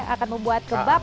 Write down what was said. akan membuat kebab